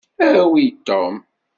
Awi Tom.